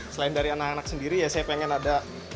selain dari anak anak sendiri ya saya pengen ada